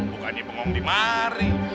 bukannya bengong di mari